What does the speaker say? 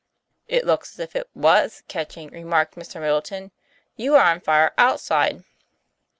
'It looks as if it was catching," remarked Mr. Middleton. "You are on fire outside."